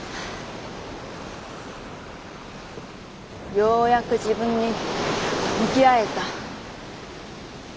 ようやく自分に向き合えた。